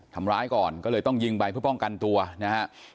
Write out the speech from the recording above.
ทำร้ายก่อนก็เลยต้องยิงไปเพื่อป้องกันตัวนะฮะ